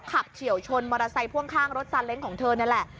เฉียวชนมอเตอร์ไซค์พ่วงข้างรถซาเล้งของเธอนั่นแหละ